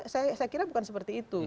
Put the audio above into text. saya kira bukan seperti itu